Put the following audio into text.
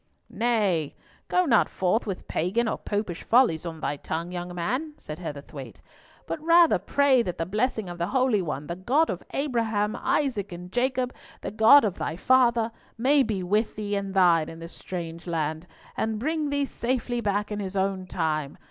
"Nay, go not forth with Pagan nor Popish follies on thy tongue, young man," said Heatherthwayte, "but rather pray that the blessing of the Holy One, the God of Abraham, Isaac, and Jacob, the God of thy father, may be with thee and thine in this strange land, and bring thee safely back in His own time.